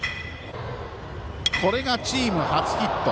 これがチーム初ヒット。